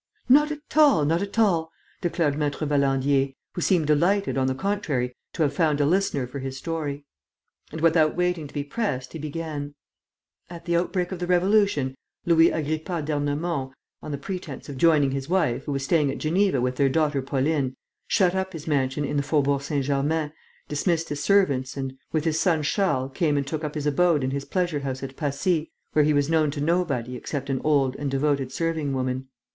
"Not at all, not at all," declared Maître Valandier, who seemed delighted, on the contrary, to have found a listener for his story. And, without waiting to be pressed, he began: "At the outbreak of the Revolution, Louis Agrippa d'Ernemont, on the pretence of joining his wife, who was staying at Geneva with their daughter Pauline, shut up his mansion in the Faubourg Saint Germain, dismissed his servants and, with his son Charles, came and took up his abode in his pleasure house at Passy, where he was known to nobody except an old and devoted serving woman.